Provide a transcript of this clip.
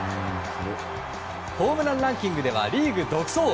ホームランランキングではリーグ独走。